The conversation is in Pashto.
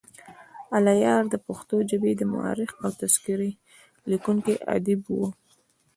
الله یار دپښتو ژبې مؤرخ او تذکرې لیکونی ادیب وو.